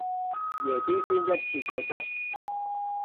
夜啲先一次過執